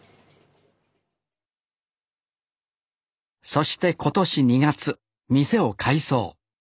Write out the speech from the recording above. そして今年２月店を改装。